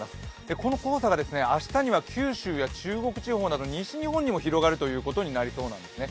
この黄砂が明日には九州や中国地方など西日本にも広がることになりそうなんですね。